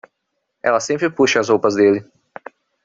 Ela sempre puxa as roupas dele